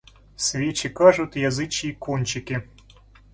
Свечи кажут язычьи кончики.